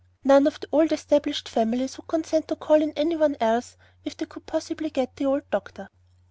None of the old established families would consent to call in any one else if they could possibly get the "old" doctor.